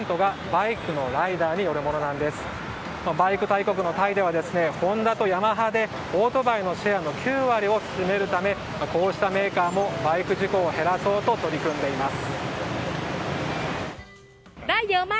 バイク大国のタイではホンダとヤマハでオートバイのシェアの９割を占めるためこうしたメーカーもバイク事故を減らそうと取り組んでいます。